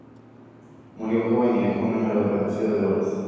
Murió joven y dejó un número reducido de obras.